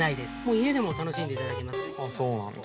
家でも楽しんでいただけます。